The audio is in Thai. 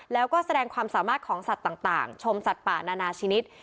แล้วก็แสดงความสามารถของสัตว์ต่างชมสัตว์ป่านานาชนิด